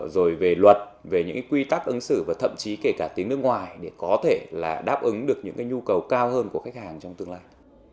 rồi về luật về những quy tắc ứng xử và thậm chí kể cả tiếng nước ngoài để có thể là đáp ứng được những cái nhu cầu cao hơn của khách hàng trong tương lai